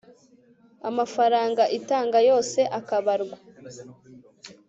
amafaranga itanga yose akabarwa